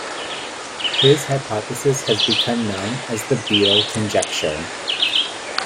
His hypothesis has become known as the Beal Conjecture.